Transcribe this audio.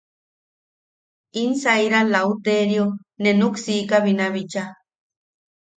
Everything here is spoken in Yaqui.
In saira Lauterio nee nuksiika binabicha.